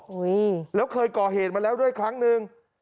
แล้วเคยก่อเหตุมาแล้วด้วยครั้งหนึ่ง